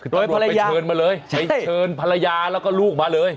ตำรวจไปเชิญมาเลยไปเชิญภรรยาแล้วก็ลูกมาเลย